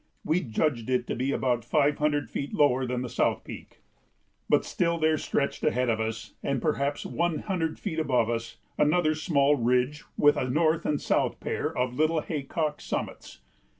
We judged it to be about five hundred feet lower than the South Peak. [Illustration: The climbing irons.] But still there stretched ahead of us, and perhaps one hundred feet above us, another small ridge with a north and south pair of little haycock summits.